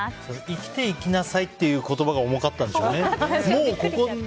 生きていきなさいという言葉が重かったんでしょうね。